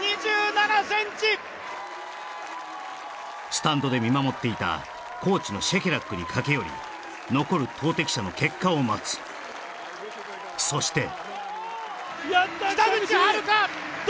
スタンドで見守っていたコーチのシェケラックに駆け寄り残る投てき者の結果を待つそしてやった北口！